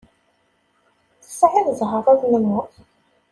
Tesɛiḍ ẓẓher ur nemmut.